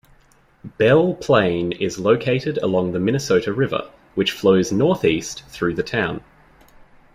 Belle Plaine is located along the Minnesota River, which flows northeast through the town.